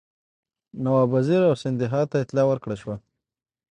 نواب وزیر او سیندهیا ته اطلاع ورکړه شوه.